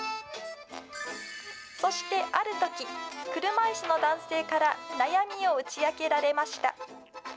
そしてある時、車いすの男性から、悩みを打ち明けられました。